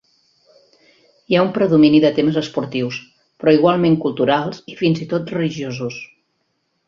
Hi ha un predomini de temes esportius, però igualment culturals i fins i tot religiosos.